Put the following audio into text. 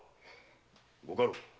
ご家老。